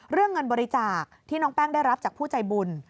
เรื่องเงินบริจาคที่น้องแป้งได้รับจากผู้ใจบุญ